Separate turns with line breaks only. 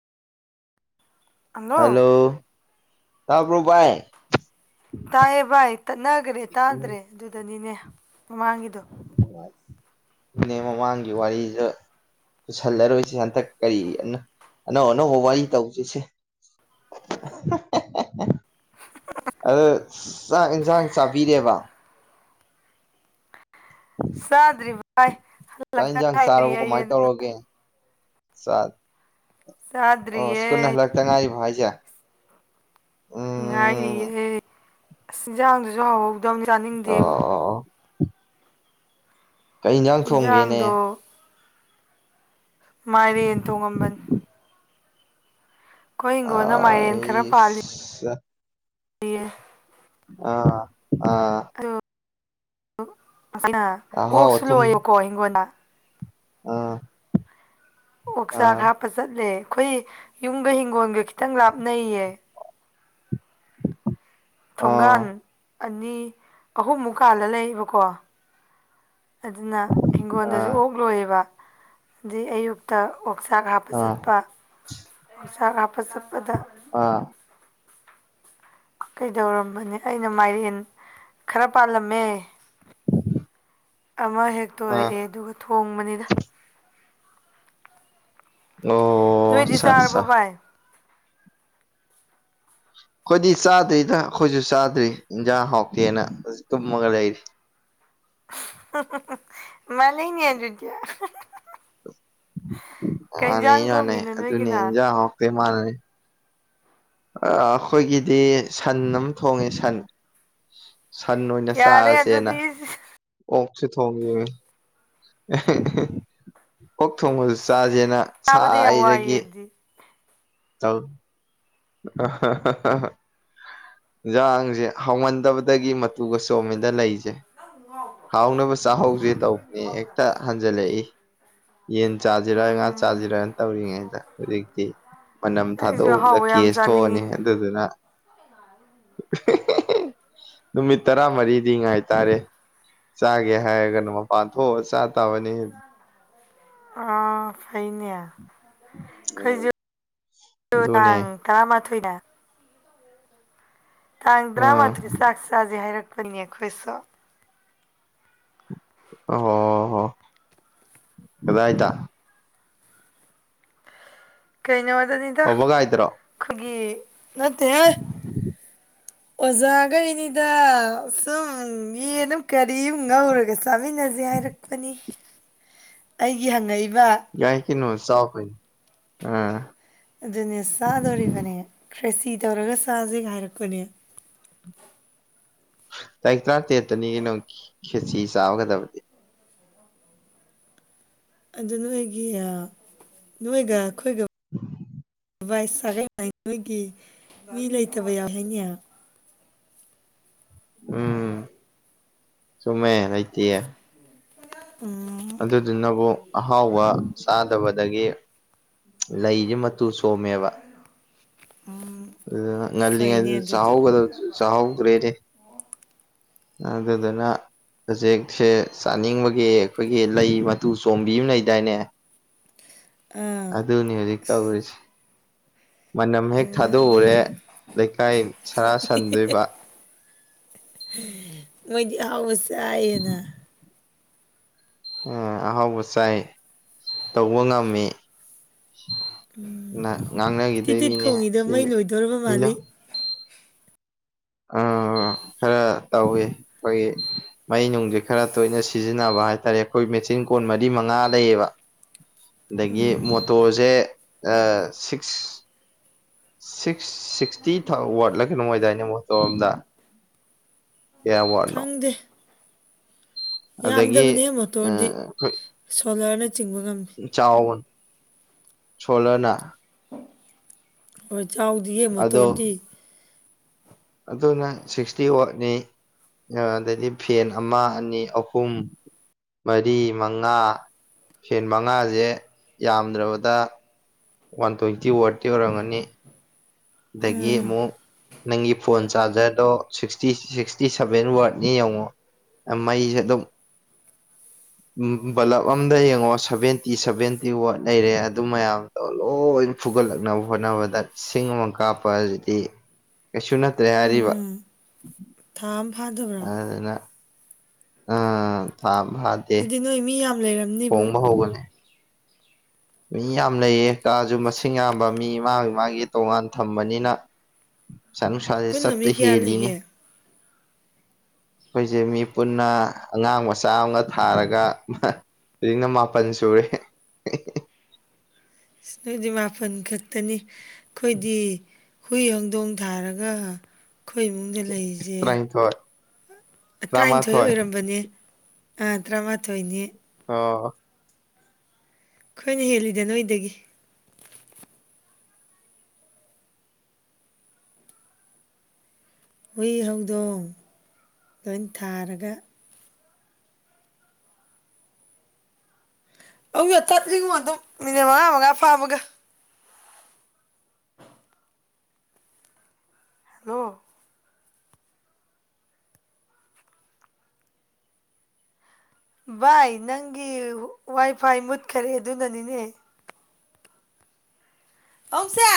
hello ꯇꯥꯕ꯭ꯔꯣꯚꯥꯏ
ꯇꯥꯏꯌꯦ ꯚꯥꯏ ꯇꯠꯅꯈ꯭ꯔꯦ ꯇꯥꯗ꯭ꯔꯦ ꯑꯗꯨꯗꯅꯤꯅꯦ ꯃꯃꯥꯡꯒꯤꯗꯣ
ꯏꯅꯦ ꯃꯃꯥꯡꯒꯤ ꯋꯥꯔꯤꯗ ꯄꯨꯁꯜꯂꯔꯣꯏꯁꯦ ꯍꯟꯗꯛ ꯀꯔꯤꯅ ꯑꯅꯧ ꯑꯅꯧꯕ ꯋꯥꯔꯤ ꯇꯧꯁꯤꯁꯦ ꯑꯗꯣ ꯆꯥꯛ ꯌꯦꯟꯁꯥꯡ ꯆꯥꯕꯤꯔꯦꯕ
ꯆꯥꯗ꯭ꯔꯤ ꯚꯥꯏ ꯍꯔꯤ
ꯆꯠ ꯑꯣ
ꯆꯥꯗ꯭ꯔꯤꯌꯦ
ꯁꯀꯨꯂ [unintelligible] ꯇꯉꯥꯏꯕ ꯍꯥꯏꯁꯦ ꯎꯝ
ꯉꯥꯏꯔꯤꯌꯦꯦ ꯑꯁ ꯏꯟꯁꯥꯡꯗꯨꯁꯨ ꯍꯍꯧꯗꯕꯅꯤ
ꯑꯣ
ꯆꯥꯅꯤꯡꯗꯦꯕ
ꯑꯣ ꯑꯣ ꯀꯩ ꯌꯦꯟꯖꯥꯡ ꯊꯣꯡꯒꯦꯅꯦ
ꯏꯟꯖꯥꯡꯗꯣ ꯃꯥꯏꯔꯦꯟ ꯊꯣꯡꯉꯝꯕꯅꯤ ꯑꯩꯈꯣꯏ ꯍꯤꯡꯒꯣꯜꯗ ꯃꯥꯏꯔꯦꯟ ꯈꯔ
ꯑꯩ
ꯄꯥꯜꯂꯤ
ꯑꯥ ꯑꯥ
[unintelligible]
ꯑꯍꯥꯎ
ꯑꯣꯛꯁꯨ
ꯑꯊꯨꯝ
ꯂꯣꯏꯑꯀꯣ ꯍꯤꯡꯒꯣꯟꯜꯗ
ꯑꯥ
ꯑꯣꯛꯆꯥꯛ
ꯑꯥ
ꯍꯥꯞꯄ ꯆꯠꯂꯦ ꯑꯩꯈꯣꯏ ꯌꯨꯝꯒ ꯍꯤꯡꯒꯣꯜꯒ ꯈꯤꯇꯪ ꯂꯥꯞꯅꯩꯌꯦ
ꯑꯥ
ꯊꯣꯡꯒꯥꯟ ꯑꯅꯤ ꯑꯍꯨꯝ ꯃꯨꯛꯀꯥꯟꯗ ꯂꯩꯕꯀꯣ ꯑꯗꯨꯅ
ꯑꯥ
ꯍꯤꯡꯒꯣꯜꯗꯁꯨ ꯑꯣꯛ ꯂꯣꯏꯌꯦꯕ ꯑꯗꯩ ꯑꯌꯨꯛꯇ ꯑꯣꯛꯆꯥꯛ ꯍꯥꯞꯄ
ꯑꯥ
ꯆꯠꯄ ꯑꯣꯛꯆꯥꯛ ꯍꯥꯞꯄ ꯆꯠꯄꯗ
ꯑꯥ
ꯀꯩꯗꯧꯔꯝꯕꯅꯦ ꯑꯩꯅ ꯃꯥꯏꯔꯦꯟ ꯈꯔ ꯄꯥꯜꯂꯝꯃꯦ ꯑꯃ
ꯑꯥ
ꯍꯦꯛꯇꯣꯔꯛꯑꯦ ꯑꯗꯨꯒ ꯊꯣꯡꯕꯅꯤꯅ
ꯑꯣ
ꯅꯣꯏꯗꯤ
ꯑꯆꯥ
ꯆꯥꯔꯕꯣ
ꯑꯆꯥ
ꯚꯥꯏ
ꯑꯩꯈꯣꯏꯗꯤ ꯆꯥꯗ꯭ꯔꯤꯗ ꯑꯩꯈꯣꯏꯁꯨ ꯆꯥꯗ꯭ꯔꯤ ꯏꯟꯖꯥꯡ ꯍꯥꯎꯇꯦꯅ ꯇꯨꯝꯃꯒ ꯂꯩꯔꯤ
ꯃꯥꯅꯦꯅꯤ ꯑꯗꯨꯗꯤꯌꯥ
ꯃꯥꯥꯟꯅꯦ ꯃꯥꯅꯦ ꯑꯗꯨꯅꯦ
ꯅꯣꯏꯒꯤꯅ
ꯏꯟꯖꯥꯡ ꯉꯛꯇꯦ ꯃꯥꯥꯟꯅꯅꯦ ꯑꯩꯈꯣꯏꯒꯤꯗꯤ ꯁꯟ ꯑꯃ ꯊꯣꯡꯉꯦ ꯁꯟ ꯁꯟ ꯑꯣꯏꯅ
ꯌꯥꯔꯦ
ꯆꯥꯔꯁꯦꯅ
ꯑꯗꯨꯗꯤ
ꯑꯣꯛꯁꯨ ꯊꯣꯡꯉꯤꯌꯦ ꯑꯣꯛ ꯊꯣꯡꯕꯁꯨ ꯆꯥꯁꯦꯅ
ꯆꯥꯕꯗ ꯌꯥꯝ
ꯁꯥꯏꯗꯒꯤ
ꯋꯥꯏꯌꯦ ꯑꯗꯨꯗꯤ
ꯇꯧ ꯑ ꯌꯦꯟꯖꯥꯡꯁꯦ ꯍꯥꯎꯃꯟꯗꯕꯗꯒꯤ ꯃꯇꯨꯒ ꯆꯣꯝꯃꯤꯗ ꯂꯩꯁꯦ ꯍꯥꯎꯅꯕ ꯆꯥꯛꯍꯧꯁꯦ ꯇꯧꯕꯅꯦ ꯍꯦꯛꯇ ꯍꯟꯖꯜꯂꯛꯏ ꯌꯦꯟ ꯆꯥꯁꯤꯔꯒ ꯉꯥ
ꯎꯝ
ꯆꯥꯁꯤꯔꯅ ꯇꯧꯔꯤꯉꯩꯗ ꯍꯧꯖꯤꯛꯇꯤ ꯃꯅꯝ
ꯑꯩꯁꯨ
ꯊꯥꯗꯣꯛꯎꯕꯗ
ꯑꯍꯥꯎꯕ ꯌꯥꯝ
ꯀꯦꯁ ꯊꯣꯛꯑꯅꯤ
ꯆꯥꯅꯤꯡꯉꯤꯅꯦ
ꯑꯗꯨꯗꯨꯅ ꯅꯨꯃꯤꯠ ꯇꯔꯥꯃꯔꯤꯗꯤ ꯉꯥꯏꯇꯥꯔꯦ ꯆꯥꯒꯦ ꯍꯥꯏꯔꯒꯅ ꯃꯄꯥꯟ ꯊꯣꯛꯑꯒ ꯆꯥ ꯇꯥꯕꯅꯤ
ꯑ ꯐꯩꯅꯦ
ꯑꯗꯨꯅꯦ
ꯈꯣꯏꯖꯨꯗꯥꯡ ꯇꯔꯥꯃ ꯊꯣꯏꯅ ꯇꯥꯡ
ꯎꯝ
ꯇ꯭ꯔꯥꯃꯥꯊꯣꯏ ꯆꯥꯛ ꯆꯥꯥꯁꯦ ꯍꯥꯏꯔꯛꯄꯅꯤ ꯑꯩꯈꯣꯏꯁꯨ
ꯑꯣ ꯀꯗꯥꯏꯗ
ꯀꯩꯅꯣꯗꯅꯤ
ꯑꯣꯕꯒꯥꯏꯗ꯭ꯔꯣ
ꯑꯩꯈꯣꯏꯒꯤ ꯅꯠꯇꯦ ꯑꯣꯖꯥꯒꯩꯅꯤꯗ ꯁꯨꯝ ꯌꯦꯟꯃꯥ ꯀꯔꯤꯃꯥ ꯉꯧꯔꯒꯁ ꯆꯥꯃꯤꯟꯅꯁꯦ ꯍꯥꯏꯔꯛꯄꯅꯤ ꯑꯩꯒꯤ ꯍꯪꯉꯛꯏꯕ
ꯌꯥꯏ ꯀꯩꯅꯣ ꯆꯥꯎ ꯀꯩꯅꯣ ꯑ
ꯑꯗꯨꯅꯦ ꯆꯥꯗꯣꯔꯤꯕꯅꯦ ꯈ꯭ꯔꯦꯁꯤ ꯇꯧꯔꯒ ꯆꯥꯁꯦꯒ ꯍꯥꯏꯔꯛꯄꯅꯦ
ꯇꯥꯔꯤꯛ ꯇꯔꯥꯇꯔꯦꯠꯇꯅꯤ ꯀꯩꯅꯣ ꯈꯦꯁꯤ ꯆꯥꯒꯗꯕꯗꯤ
ꯑꯗꯨ ꯅꯣꯏꯒꯤ ꯅꯣꯏꯒ ꯑꯩꯈꯣꯏꯒ
[unintelligible]
ꯚꯥꯏꯁ ꯁꯥꯒꯠ ꯅꯣꯏꯒꯤ ꯃꯤ ꯂꯩꯇꯕ ꯌꯥꯎꯍꯅꯦ
ꯎꯝ ꯁꯨꯃꯦ ꯂꯩꯇꯌꯦ
ꯎꯝ
ꯑꯗꯨꯗꯨꯅꯕꯨ ꯑꯍꯥꯎꯕ ꯆꯥꯗꯕꯗꯒꯤ ꯂꯩꯁꯦ ꯃꯇꯨ ꯁꯣꯝꯃꯦꯕ
ꯎꯝ ꯐꯩꯅꯦ
ꯉꯜꯂꯤꯉꯩꯗꯁꯨ
ꯑꯗꯨꯗꯤ
ꯆꯍꯧꯒꯗꯕꯗꯨꯁꯨ ꯆꯥꯍꯧꯗꯔꯦꯅꯦ ꯑꯗꯨꯗꯨꯅ ꯍꯧꯖꯤꯛꯁꯦ ꯆꯥꯅꯤꯡꯕꯒꯤ ꯑꯩꯈꯣꯏꯒꯤ ꯂꯩ ꯃꯇꯨ ꯆꯣꯝꯕꯤ ꯑꯃ ꯂꯩꯗꯥꯏꯅꯦ
ꯑꯥ
ꯑꯗꯨꯅꯤ ꯍꯧꯖꯤꯛ ꯇꯧꯔꯤꯁꯤ ꯃꯅꯝ ꯍꯦꯛ
ꯂꯩ
ꯊꯥꯗꯣꯛꯎꯔꯦ ꯂꯩꯀꯥꯏ ꯁꯔꯥ ꯁꯟꯗꯣꯏꯕ
ꯃꯣꯏꯗꯤ ꯑꯍꯥꯎꯕ ꯆꯥꯌꯦꯅꯥ
ꯎ ꯑꯍꯥꯎꯕ ꯆꯥꯏ ꯇꯧꯕ ꯉꯝꯃꯤ
ꯇꯤꯠ
ꯉꯥꯡꯅꯒꯤꯗꯣꯏ
ꯇꯤꯠ
ꯃꯤꯅꯦ
ꯈꯣꯡꯉꯤꯗꯣ
ꯁꯤ
ꯃꯩ ꯂꯣꯏꯗꯣꯔꯕ
ꯃꯤꯅ
ꯃꯥꯜꯂꯤ
ꯑ ꯈꯔ ꯇꯧꯋ ꯑꯩꯈꯣꯏꯒꯤ ꯃꯩ ꯅꯨꯡꯁꯦ ꯈꯔ ꯇꯣꯏꯅ ꯁꯤꯖꯤꯟꯅꯕ ꯍꯥꯏꯇꯥꯔꯦ ꯑꯩꯈꯣꯏ ꯃꯦꯆꯤꯟ ꯀꯣꯟ ꯃꯔꯤ ꯃꯉꯥ ꯂꯩꯌꯦꯕ ꯑꯗꯒꯤ
ꯎꯝ
ꯃꯣꯇꯣꯔꯁꯦ ꯁꯤꯛꯁ ꯁꯤꯛꯁ ꯁꯤꯛꯁꯇꯤ ꯋꯥꯠꯂꯒꯦ ꯅꯅꯨꯡꯃꯥꯏꯗꯥꯏꯅꯦ ꯃꯣꯇꯣꯔꯔꯣꯝꯗ ꯀꯌꯥ ꯋꯥꯔꯠꯅꯣ
ꯈꯪꯗꯦ
ꯑꯗꯒꯤ
ꯌꯥꯝꯗꯕꯅꯦ ꯃꯣꯇꯣꯔꯗꯤ
ꯑꯩꯈꯣꯏ
ꯁꯣꯂꯔꯅꯆꯤꯡꯕ ꯉꯝꯃꯤ
ꯆꯥꯎꯕ ꯁꯥꯂꯔꯅ
ꯍꯣꯏ ꯆꯥꯎꯗꯤꯌꯦ
ꯑꯗꯣ
ꯃꯣꯇꯣꯔꯗꯤ
ꯑꯗꯨꯅ ꯁꯤꯛꯁꯇꯤ ꯋꯥꯠꯅꯤ ꯑꯗꯩꯗꯤ ꯐꯦꯟ ꯑꯃ ꯑꯅꯤ ꯑꯍꯨꯝ ꯃꯔꯤ ꯃꯉꯥ ꯁꯦꯟ ꯃꯉꯥꯁꯦ ꯌꯥꯝꯗ꯭ꯔꯕꯗ ꯋꯥꯟ ꯇ꯭ꯋꯦꯟꯇꯤ ꯋꯥꯔꯗꯇꯤ ꯑꯣꯏꯔꯝꯒꯅꯤ ꯑꯗꯒꯤ ꯑꯃꯨꯛ ꯅꯪꯒꯤ ꯐꯣꯟ ꯆꯥꯔꯖꯔꯗꯣ ꯁꯤꯛꯁꯇꯤ ꯁꯤꯛꯁꯇꯤ ꯁꯚꯦꯟ ꯋꯥꯔꯗꯅꯤ ꯌꯦꯡꯉꯣ ꯑ ꯃꯩꯁꯦ ꯑꯗꯨꯝ ꯕꯂꯞ ꯑꯝꯗ ꯌꯦꯡꯉꯣ ꯁꯚꯦꯟꯇꯤ ꯁꯚꯦꯟꯇꯤ ꯋꯥꯠ ꯂꯩꯔꯦ ꯑꯗꯨ ꯃꯌꯥꯝ ꯂꯣꯏꯅ ꯐꯨꯒꯠꯂꯛꯅꯕ ꯍꯣꯠꯅꯕꯗ ꯁꯤꯡ ꯑꯃꯛ ꯀꯥꯞꯄ ꯍꯥꯏꯗꯤ ꯀꯩꯁꯨ ꯅꯠꯇ꯭ꯔꯦ ꯍꯥꯏꯔꯤꯕ
ꯎꯝ ꯊꯥ ꯑꯃ ꯐꯥꯗꯕ꯭ꯔꯥ
ꯑꯗꯨꯅ ꯎꯝ ꯊꯥ ꯑꯃ ꯐꯥ
ꯑꯗꯨꯗꯤ ꯅꯣꯏ ꯃꯤ ꯌꯥꯝ ꯂꯩꯔꯝꯅꯤꯕꯨ
ꯃꯤ ꯌꯥꯝ ꯂꯩꯌꯦ ꯀꯥꯁꯨ ꯃꯁꯤꯡ ꯌꯥꯝꯕ ꯃꯤ ꯃꯥꯒꯤ ꯃꯥꯒꯤ ꯇꯣꯉꯥꯟ ꯊꯝꯕꯅꯤꯅ ꯄꯩꯁꯥꯟ ꯅꯨꯡꯁꯥꯁꯦ
ꯄꯨꯟꯅ ꯃꯤ
ꯆꯠꯄ
ꯀꯌꯥ
ꯍꯦꯜꯂꯤꯅꯦ
ꯂꯩꯒꯦ ꯑꯁ
ꯑꯩꯈꯣꯏꯁꯦ ꯃꯤ ꯄꯨꯟꯅ ꯑꯉꯥꯡ ꯃꯆꯥ ꯑꯃꯒ ꯊꯥꯔꯒ ꯍꯧꯖꯤꯛꯅ ꯃꯥꯄꯟ ꯁꯨꯔꯦ
ꯅꯣꯏꯗꯤ ꯃꯥꯄꯜ ꯈꯛꯇꯅꯤ ꯑꯩꯈꯣꯏꯗꯤ ꯍꯨꯏ ꯍꯧꯗꯣꯡ ꯊꯥꯔꯒ ꯑꯩꯈꯣꯏ ꯏꯃꯨꯡꯗ ꯂꯩꯔꯤꯁꯦ
ꯇꯔꯥꯅꯤꯊꯣꯏ
ꯇꯔꯥꯅꯤꯊꯣꯏ
ꯇꯔꯥꯃꯥꯊꯣꯏ
ꯑꯣꯏꯔꯝꯕꯅꯦ ꯑ ꯇꯔꯥꯃꯥꯊꯣꯏꯅꯤ
ꯑꯣ
ꯑꯩꯈꯣꯏꯅ ꯍꯦꯜꯂꯤꯗ ꯅꯣꯏꯗꯒꯤ ꯍꯨꯏ ꯍꯧꯗꯣꯡ ꯂꯣꯏ ꯊꯥꯔꯒ ꯑꯣ ꯇꯠꯂꯤꯉꯣ ꯑꯗꯨꯝ ꯃꯤꯅꯤꯠ ꯃꯉꯥ ꯃꯉꯥ ꯐꯥꯕꯒ ꯍꯜꯂꯣ ꯚꯥꯏ ꯅꯪꯒꯤ ꯋꯥꯏꯐꯥꯏ ꯃꯨꯠꯈꯔꯦ ꯑꯗꯨꯅꯅꯤꯅꯦ [unintelligible]